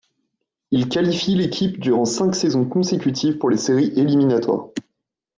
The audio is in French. Il qualifie l'équipe durant cinq saisons consécutives pour les séries éliminatoires.